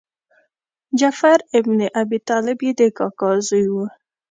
جعفر بن ابي طالب یې د کاکا زوی و.